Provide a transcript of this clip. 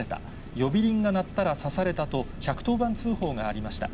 呼び鈴が鳴ったら刺されたと、１１０番通報がありました。